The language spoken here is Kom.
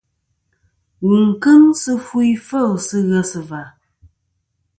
Wù n-kɨŋ sɨ fu ifêl sɨ ghesɨ̀và.